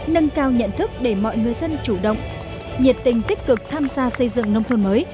nâng cao nhận thức để mọi người dân chủ động nhiệt tình tích cực tham gia xây dựng nông thôn mới